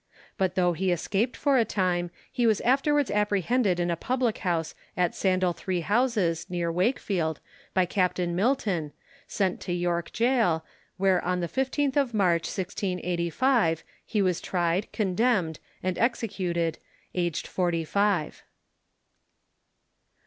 But though he escaped for a time, he was afterwards apprehended in a public house at Sandal three houses, near Wakefield, by Captain Milton, sent to York gaol, where on the 15th of March, 1685, he was tried, condemned, and executed, aged forty five.